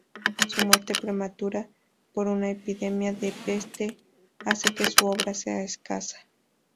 Su muerte prematura por una epidemia de peste hace que su obra sea escasa.